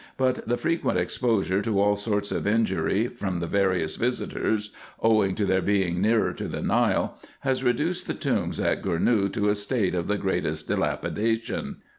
But the frequent exposure to all sorts of injury from the various visitors, owing to their being nearer to the Nile, has reduced the tombs at Gournou to a state of the greatest dilapidation.